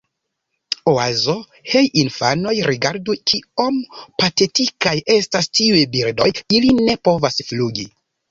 Oazo: "Hej infanoj, rigardu kiom patetikaj estas tiuj birdoj. Ili ne povas flugi."